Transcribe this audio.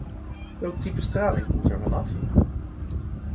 Welk type straling komt er vanaf?